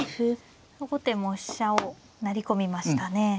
後手も飛車を成り込みましたね。